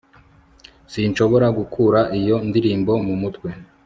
sinshobora gukura iyo ndirimbo mu mutwe